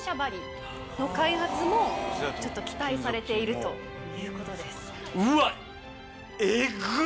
の開発もちょっと期待されているということです。